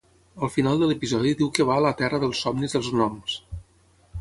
Al final de l'episodi diu que va a la "Terra dels somnis dels gnoms".